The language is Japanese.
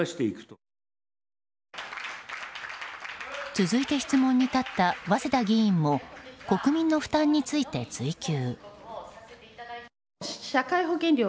続いて質問に立った早稲田議員も国民の負担について追及。